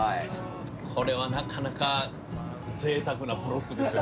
これはなかなかぜいたくなブロックですよ